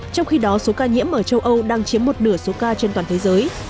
trong khi đó số ca nhiễm ở châu âu đang chiếm một nửa số ca trên toàn thế giới